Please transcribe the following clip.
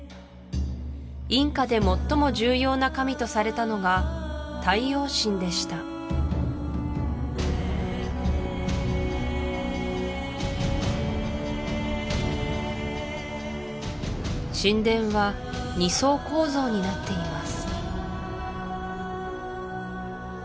インカで最も重要な神とされたのが太陽神でした神殿は二層構造になっています